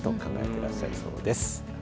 てらっしゃるそうです。